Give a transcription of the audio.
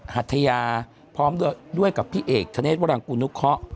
หัดทิาพร้อมด้วยกับพี่เอกชะเนสวรังกุณุขเฮาะ